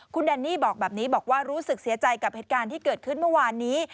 คุณแดนนี่บอกแบบนี้บอกว่ารู้สึกเสียใจกับเหตุการณ์ที่เกิดขึ้นเมื่อวานนี้